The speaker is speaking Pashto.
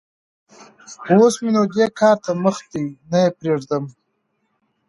اوس م ېنو دې کار ته مخ دی؛ نه يې پرېږدم.